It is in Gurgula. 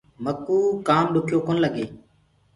مڪوُ ڪآم ڏکيو ڪونآ لگي۔